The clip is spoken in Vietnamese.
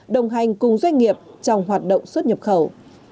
đồng hành cùng doanh nghiệp trong hoạt động xuất nhập khẩu